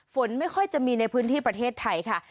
ฝนไม่ค่อยจะมีในพื้นที่ประเทศไทยค่ะ